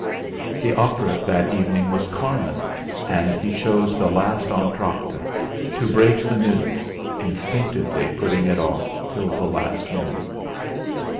The opera that evening was 'Carmen,' and he chose the last entr'acte to break the news, instinctively putting it off till the latest moment.